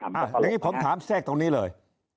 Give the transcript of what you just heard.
อย่างนี้ผมถามแทรกตรงนี้เลย